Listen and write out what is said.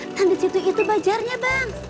nah disitu itu bazarnya bang